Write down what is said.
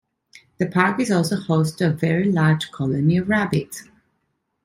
The park is also host to a very large colony of rabbits.